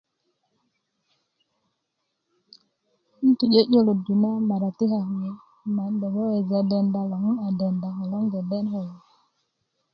n ti 'yö'yölöddu na maratika kulo nan 'dok weweja denda loŋ n a denda kulo ko loŋ n deden kulo